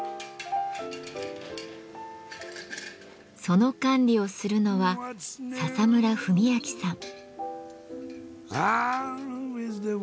その管理をするのは笹村文明さん。